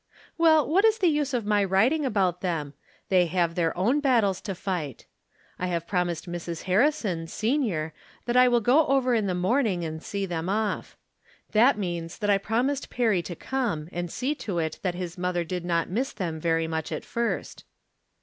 Well, what is the use of my writing about them? They have their own battles to fight. I have promised Mrs. Harrison, senior, that I will go over in the morning and see them off. That aneans that I promised Perry to come and see to it that his mother did not miss them very much at first.